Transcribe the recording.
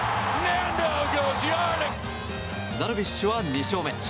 ダルビッシュは２勝目。